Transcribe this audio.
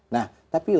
nah tapi untuk